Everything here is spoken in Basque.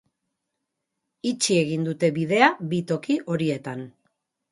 Itxi egin dute bidea bi toki horietan.